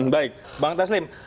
baik bang taslim